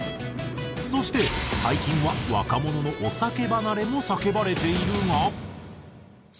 そして最近は若者のお酒離れも叫ばれているが。